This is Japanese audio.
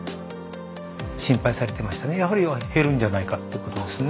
やはり減るんじゃないかっていう事をですね。